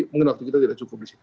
mungkin waktu kita tidak cukup disini